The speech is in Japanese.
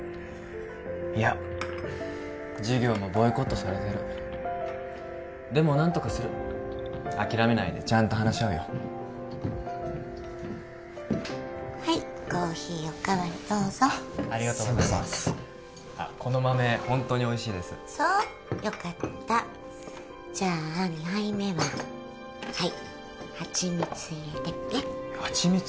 いや授業もボイコットされてるでも何とかする諦めないでちゃんと話し合うよはいコーヒーお代わりどうぞありがとうございますこの豆ホントにおいしいですそうよかったじゃあ２杯目ははいハチミツ入れてみてハチミツ？